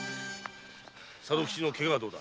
佐渡吉のケガはどうだ？